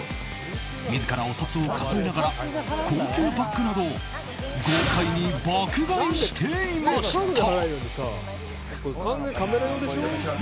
自らお札を数えながら高級バッグなどを豪快に爆買いしていました。